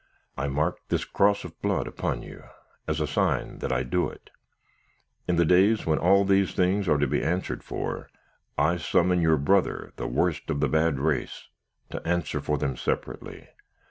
I mark this cross of blood upon you, as a sign that I do it. In the days when all these things are to be answered for, I summon your brother, the worst of the bad race, to answer for them separately.